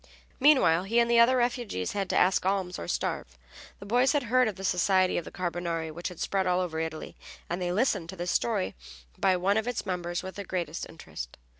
Meanwhile he and the other refugees had to ask alms or starve. The boys had heard of the society of the Carbonari which had spread all over Italy, and they listened to this story by one of its members with the greatest interest.